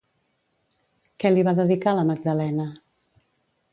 Què li va dedicar la Magdalena?